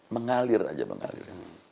mengalir saja mengalir